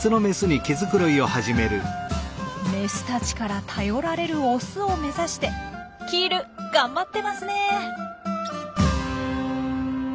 メスたちから頼られるオスを目指してキール頑張ってますねえ。